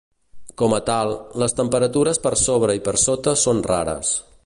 Com a tal, les temperatures per sobre i per sota són rares.